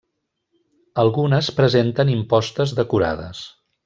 Algunes presenten impostes decorades.